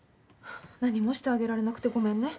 何もしてあげられなくてごめんね。